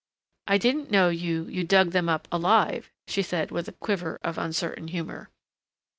"I didn't know you you dug them up alive," she said with a quiver of uncertain humor.